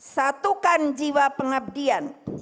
satukan jiwa pengabdian